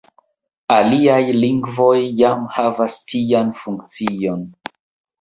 Aliaj lingvoj jam havas tian funkcion.